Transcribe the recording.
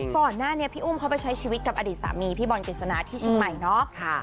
ก่อนหน้านี้พี่อุ้มเขาไปใช้ชีวิตกับอดีตสามีพี่บ่อนกิจนาที่ชมัยเนอะ